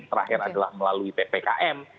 terakhir adalah melalui ppkm